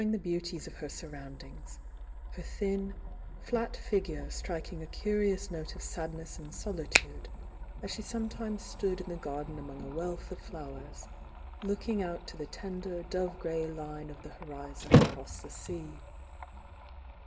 fH*>e« °f her surrounding, her thm, flat figure stnkmg a curious note of s^^ THE VOUNG DIANA 17 ness and solitude, as slie sometimeg stood in the gar den among a wealth of flowers, looking out to the tender dove grey line of the horizon across the sea.